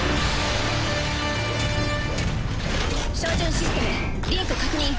照準システムリンク確認。